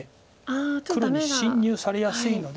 黒に侵入されやすいので。